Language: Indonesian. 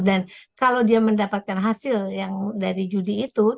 dan kalau dia mendapatkan hasil yang dari judi itu